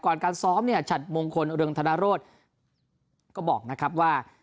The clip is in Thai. การซ้อมเนี่ยฉัดมงคลเรืองธนโรธก็บอกนะครับว่า